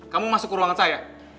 kamu masuk ke ruangan saya